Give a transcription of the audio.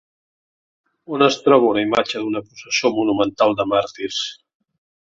On es troba una imatge d'una processó monumental de màrtirs?